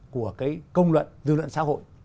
của cái công luận dư luận xã hội